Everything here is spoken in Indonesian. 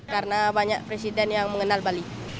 karena banyak presiden yang mengenal bali